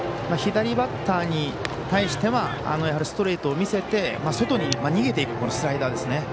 左バッターに対してはストレートを見せて外に逃げていくスライダーですね。